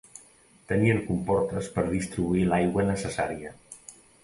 Tenien comportes per distribuir l'aigua necessària.